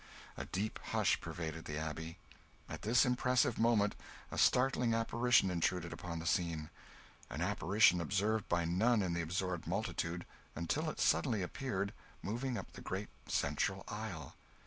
A deep hush pervaded the Abbey. At this impressive moment, a startling apparition intruded upon the scene an apparition observed by none in the absorbed multitude, until it suddenly appeared, moving up the great central aisle.